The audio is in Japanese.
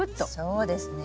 そうですね。